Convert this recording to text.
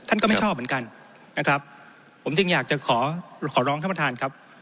ก็ไม่ชอบเหมือนกันนะครับผมจึงอยากจะขอขอร้องท่านประธานครับ